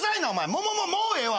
ももももうええわ。